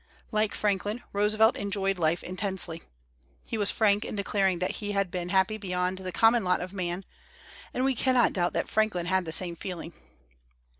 Like Franklin, Roosevelt enjoyed life intensely. He was frank in declaring that he had been happy beyond the common lot of man; and we cannot doubt that Franklin had the same feel ing.